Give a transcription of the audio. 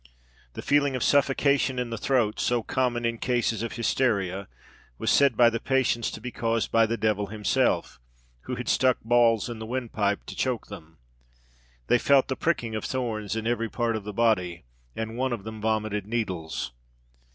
The feeling of suffocation in the throat, so common in cases of hysteria, was said by the patients to be caused by the devil himself, who had stuck balls in the windpipe to choke them. They felt the pricking of thorns in every part of the body, and one of them vomited needles.